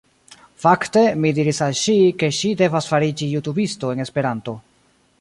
Fakte, mi diris al ŝi, ke ŝi devas fariĝi jutubisto en Esperanto